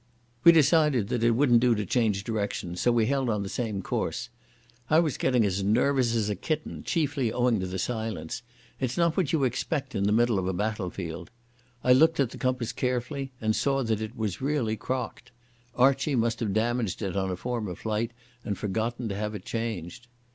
We decided that it wouldn't do to change direction, so we held on the same course. I was getting as nervous as a kitten, chiefly owing to the silence. It's not what you expect in the middle of a battle field.... I looked at the compass carefully and saw that it was really crocked. Archie must have damaged it on a former flight and forgotten to have it changed.